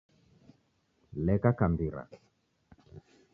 Leka kambira